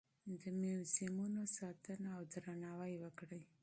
د موزیمونو ساتنه او درناوی وکړئ.